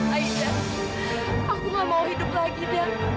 aida aku gak mau hidup lagi zak